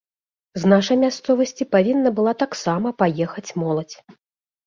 З нашай мясцовасці павінна была таксама паехаць моладзь.